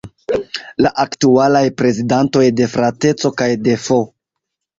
La aktualaj prezidantoj de “Frateco” kaj de “F.